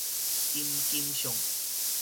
金金相